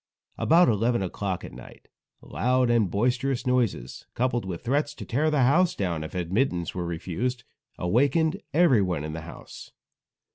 About eleven o'clock at night, loud and boisterous noises, coupled with threats to tear the house down if admittance were refused, awakened everyone in the house.